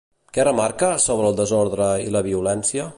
Què remarca sobre el desordre i la violència?